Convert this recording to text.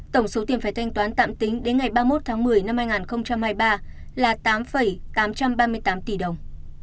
tổng số tiền phải thanh toán tạm tính đến ngày ba mươi một tháng một mươi năm hai nghìn hai mươi ba là tám tám trăm ba mươi tám tỷ đồng